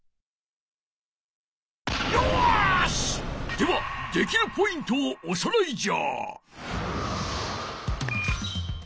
ではできるポイントをおさらいじゃ！